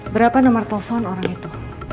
berapa nomer telpon orang itu